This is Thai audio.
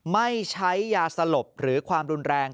ไม่ใช้ยาสลบหรือความรุนแรง